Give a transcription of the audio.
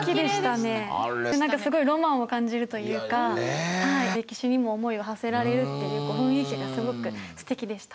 すごいロマンを感じるというか歴史にも思いをはせられるという雰囲気がすごくすてきでした。